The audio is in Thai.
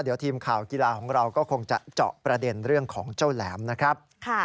เดี๋ยวทีมข่าวกีฬาของเราก็คงจะเจาะประเด็นเรื่องของเจ้าแหลมนะครับ